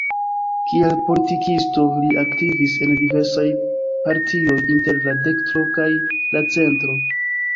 Kiel politikisto li aktivis en diversaj partioj inter la dekstro kaj la centro.